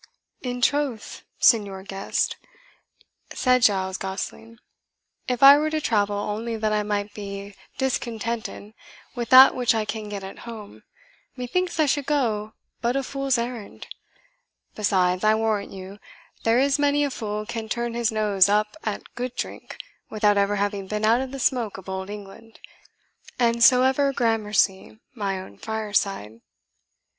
"In troth, Signior Guest," said Giles Gosling, "if I were to travel only that I might be discontented with that which I can get at home, methinks I should go but on a fool's errand. Besides, I warrant you, there is many a fool can turn his nose up at good drink without ever having been out of the smoke of Old England; and so ever gramercy mine own fireside."